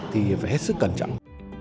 thì phải hết sức cẩn trọng